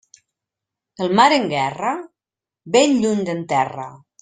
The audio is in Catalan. El mar en guerra?, ben lluny d'en terra.